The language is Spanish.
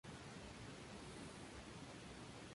Se casó tres veces.